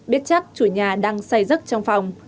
biết chắc chủ nhà đang say rớt trong phòng